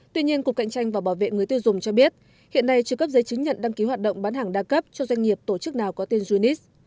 tuy nhiên cục cạnh tranh và bảo vệ người tiêu dùng cho biết hiện nay chưa cấp giấy chứng nhận đăng ký hoạt động bán hàng đa cấp cho doanh nghiệp tổ chức nào có tên junis